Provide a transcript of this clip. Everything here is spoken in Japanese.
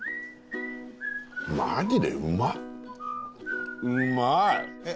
マジでうまっ。